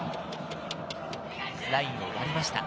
ラインを割りました。